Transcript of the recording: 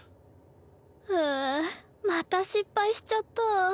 はぁまた失敗しちゃった。